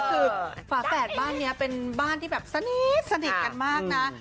คือฝาแฝดบ้านนี้เป็นบ้านที่แบบสนิทสนิทกันมากนะ